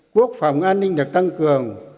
quốc phòng an ninh được tăng cường